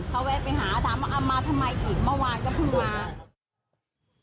เขาแวะไปหาถามว่าเอามาทำไมอีกเมื่อวานก็เพิ่งมา